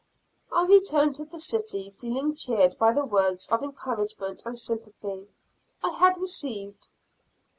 I returned to the city feeling cheered by the words of encouragement and sympathy I had received.